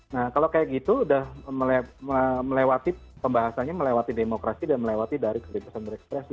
nah kalau kayak gitu udah melewati pembahasannya melewati demokrasi dan melewati dari kebebasan berekspresi